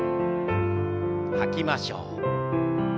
吐きましょう。